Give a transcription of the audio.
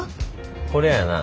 これはな